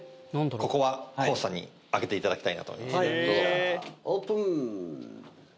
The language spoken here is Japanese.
ここはＫＯＯさんに開けていただきたいなと思いますじゃあオープン！